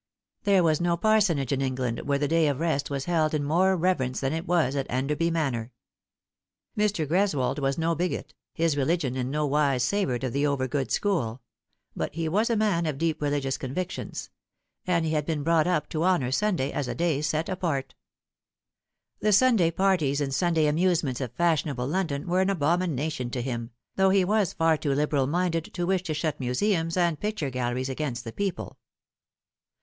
There was no parsonage in England where the day of rest was held in more reverence than it was at Enderby Manor. Mr. Greswold was no bigot, his religion in no wise savoured of the over good school ; but he was a man of deep religious convictions ; and he had been brought up to honour Sunday aa a day set apart. The Sunday parties and Sunday amusements of fashionable London were an abomination to him, though he was far too liberal minded to wish to shut museums and picture galleries against the people.